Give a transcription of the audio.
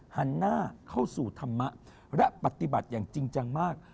หันหน้าเข้าสู่ธรรมะและปฏิบัติอย่างจริงจังมาก